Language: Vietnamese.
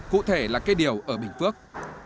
cụ thể là cây điều ở bình phước